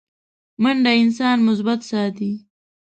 منډه انسان مثبت ساتي